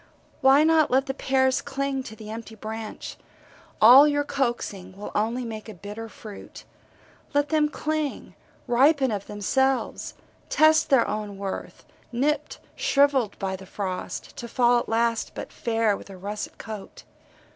Why not let the pears cling to the empty branch? All your coaxing will only make a bitter fruit let them cling, ripen of themselves, test their own worth, nipped, shrivelled by the frost, to fall at last but fair with a russet coat.